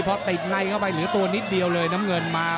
พอติดในเข้าไปเหลือตัวนิดเดียวเลยน้ำเงินมา